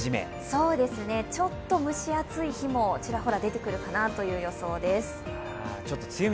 ちょっと蒸し暑い日もちらほら出てくるかなという予想です。